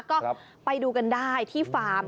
ก็ไปดูกันได้ที่ฟาร์ม